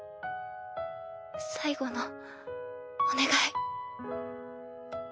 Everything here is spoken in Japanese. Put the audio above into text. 最後のお願い。